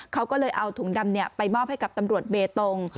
เขาก็เลยเอาถุงดำไปมอบให้กับตำรวจเบตง